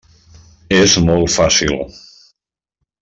És molt fàcil.